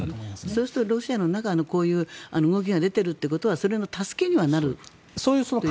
そうするとロシアの中でそういう動きが出ているというのはそれの助けにはなる？